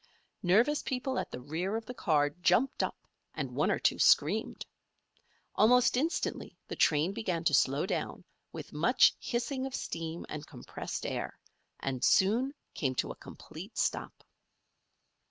Nervous people at the rear of the car jumped up and one or two screamed. Almost instantly the train began to slow down, with much hissing of steam and compressed air, and soon came to a complete stop.